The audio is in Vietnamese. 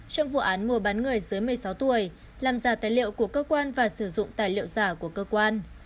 trong vụ án mua bán người dưới một mươi sáu tuổi làm giả tài liệu của cơ quan và sử dụng tài liệu giả của cơ quan